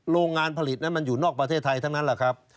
โรงงานผลิตนั้นมันอยู่นอกประเทศไทยทั้งนั้นแหละครับ